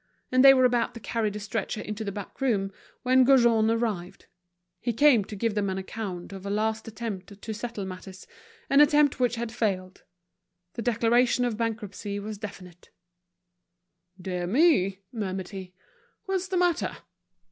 And they were about to carry the stretcher into the back room when Gaujean arrived. He came to give them an account of a last attempt to settle matters, an attempt which had failed; the declaration of bankruptcy was definite. "Dear me," murmured he, "what's the matter?"